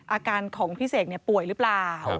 อาการของพี่เสกป่วยหรือเปล่า